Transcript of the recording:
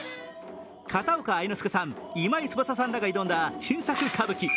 片岡愛之助さん、今井翼さんらが挑んだ新作歌舞伎。